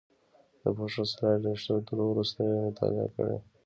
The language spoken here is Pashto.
د پوښښ سلایډ له ایښودلو وروسته یې مطالعه کړئ.